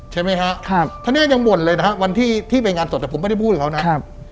ใช่ไหมคะถังเนธยังบ่นเลยนะครับวันที่ที่ไปงานตกแต่ผมไม่ได้พูดกับเขานะ